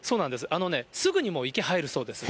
あのね、すぐにもう池入るそうです。